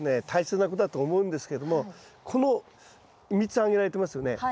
大切なことだと思うんですけどもこの３つ挙げられてますよね。